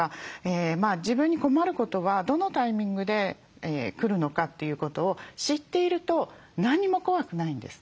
自分に困ることはどのタイミングで来るのかということを知っていると何も怖くないんです。